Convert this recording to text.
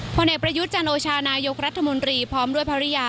ผลเอกประยุทธ์จันโอชานายกรัฐมนตรีพร้อมด้วยภรรยา